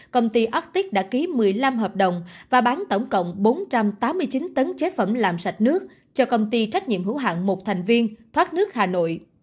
công ty ortic đã ký một mươi năm hợp đồng và bán tổng cộng bốn trăm tám mươi chín tấn chế phẩm làm sạch nước cho công ty trách nhiệm hữu hạng một thành viên thoát nước hà nội